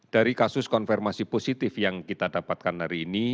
dari kasus konfirmasi positif yang kita dapatkan hari ini